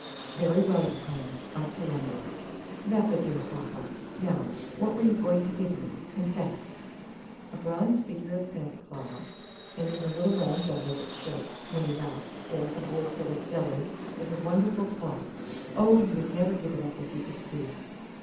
"Very well, your Highness, I surrender." "That's a dear Papa! Now, what were you going to give me? Confess!" "A bronze figure of Santa Claus; and in the little round belly, that shakes, when he laughs, like a bowl full of jelly, is a wonderful clock. Oh, you would never give it up if you could see it."